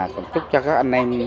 cũng chúc cho các anh em